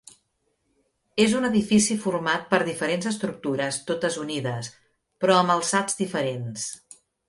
És un edifici format per diferents estructures totes unides, però amb alçats diferents.